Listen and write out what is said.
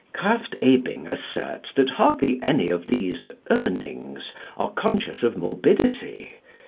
Krafft Ebing asserts that hardly any of these Urnings are conscious of morbidity.